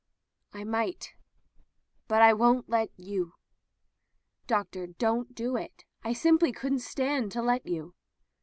"I might. But I won't let you." "Doctor, don't do it. I simply couldn't stand it to let you."